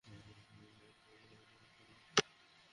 ভাইয়া, হাটো না।